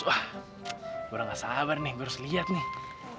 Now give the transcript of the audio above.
gue udah gak sabar nih gue harus lihat nih